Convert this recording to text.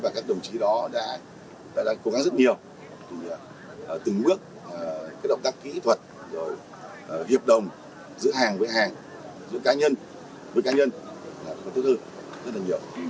và các đồng chí đó đã cố gắng rất nhiều từng bước cái động tác kỹ thuật hiệp đồng giữa hàng với hàng giữa cá nhân với cá nhân là tốt hơn rất là nhiều